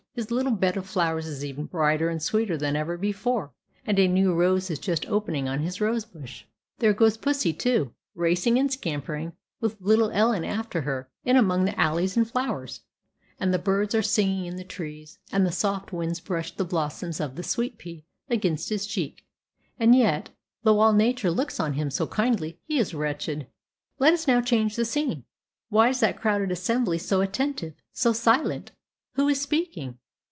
His little bed of flowers is even brighter and sweeter than ever before, and a new rose is just opening on his rosebush. There goes pussy, too, racing and scampering, with little Ellen after her, in among the alleys and flowers; and the birds are singing in the trees; and the soft winds brush the blossoms of the sweet pea against his cheek; and yet, though all nature looks on him so kindly, he is wretched. Let us now change the scene. Why is that crowded assembly so attentive so silent? Who is speaking?